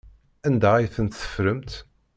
Anda ay ten-teffremt?